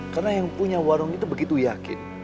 karena yang punya warung itu begitu yakin